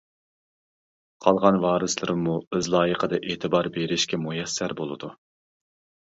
قالغان ۋارىسلىرىمۇ ئۆز لايىقىدا ئېتىبار بېرىشكە مۇيەسسەر بولىدۇ.